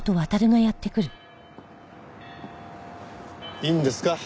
いいんですか？